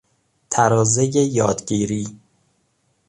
ترازهی یادگیری